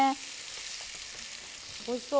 おいしそう。